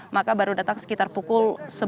maka baru datang sekitar pukul sebelas